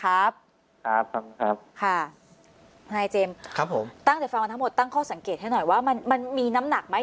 ครับครับฟังครับค่ะทนายเจมส์ครับผมตั้งแต่ฟังมาทั้งหมดตั้งข้อสังเกตให้หน่อยว่ามันมันมีน้ำหนักไหม